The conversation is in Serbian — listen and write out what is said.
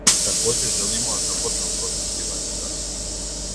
Такође желимо да започнемо процес приватизације.